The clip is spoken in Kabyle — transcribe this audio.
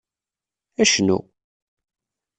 Cnu!